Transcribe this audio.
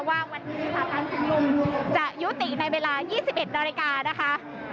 ว่าวันนี้ค่ะการชุมนุมจะยุติในเวลา๒๑นาฬิกานะคะ